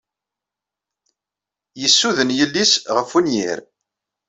Yessuden yelli-s ɣef wenyir.